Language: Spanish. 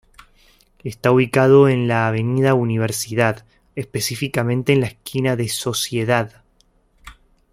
Está ubicado en la avenida Universidad, específicamente en la esquina de Sociedad.